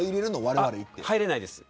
入れないです。